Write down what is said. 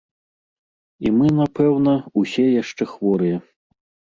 І мы, напэўна, усе яшчэ хворыя.